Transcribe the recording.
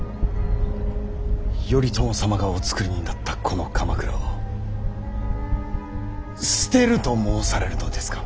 頼朝様がおつくりになったこの鎌倉を捨てると申されるのですか。